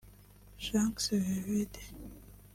Shanks Vivid